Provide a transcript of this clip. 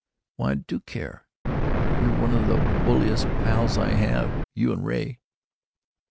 "Why, I do care! You're one of the bulliest pals I have, you and Ray."